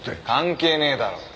関係ねえだろ。